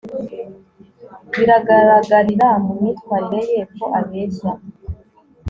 bigaragarira mu myitwarire ye ko abeshya